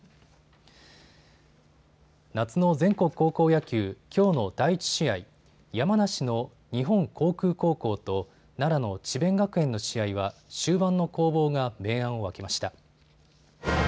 夏の全国高校野球、きょうの第１試合、山梨の日本航空高校と奈良の智弁学園の試合は終盤の攻防が明暗を分けました。